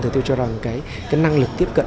thì tôi cho rằng năng lực tiếp cận